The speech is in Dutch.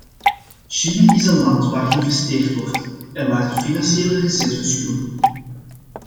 Chili is een land waar geïnvesteerd wordt en waar de financiële reserves groeien.